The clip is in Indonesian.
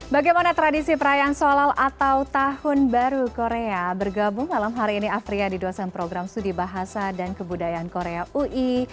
bagaimana tradisi perayaan solal atau tahun baru korea bergabung malam hari ini afriya di dosen program studi bahasa dan kebudayaan korea ui